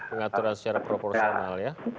pengaturan secara proporsional ya